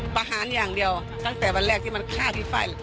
ประหารอย่างเดียวตั้งแต่วันแรกที่มันฆ่าที่ไฟ